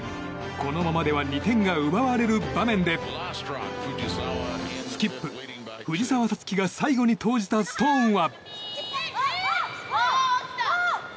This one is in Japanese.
このままでは２点が奪われる場面でスキップ藤澤五月が最後に投じたストーンは。